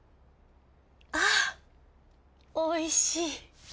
あおいしい。